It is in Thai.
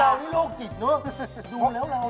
เรานี่โลกจิตดูแล้วเราเนี่ย